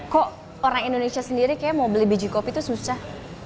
kok orang indonesia sendiri kayaknya mau beli biji kopi itu susah